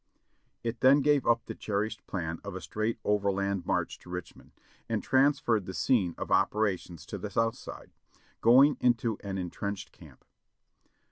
It then gave up the cherished plan of a straight overland march to Rich THE CAPITAL IN THE DOG DAYS 587 jiiond, and transferred the scene of operations to the south side, going into an entrenched camp.